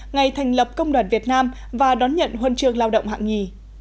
ngày thành lập công đoàn việt nam và đón nhận huân chương lao động hạng nhì